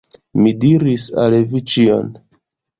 Mi diris al vi ĉion.